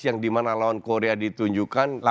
yang dimana lawan korea ditunjukkan